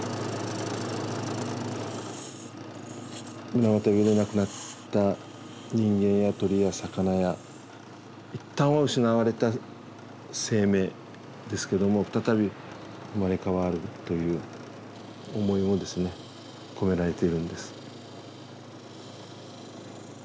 水俣病で亡くなった人間や鳥や魚や一旦は失われた生命ですけども再び生まれ変わるという思いもですね込められているんです。